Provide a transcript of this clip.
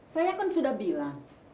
saya kan sudah bilang